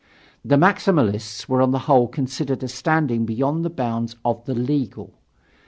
The Maximalists were on the whole considered as standing beyond the bounds of the "legal."